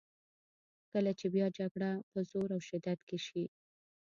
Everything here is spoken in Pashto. کله چې بیا جګړه په زور او شدت کې شي.